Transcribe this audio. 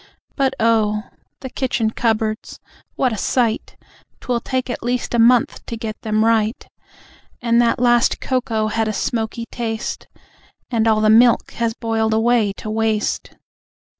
But, oh! The kitchen cupboards! What a sight! 'T'will take at least a month to get them right. And that last cocoa had a smoky taste, And all the milk has boiled away to waste!